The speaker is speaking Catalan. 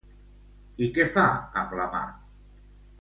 I què fa amb la mà?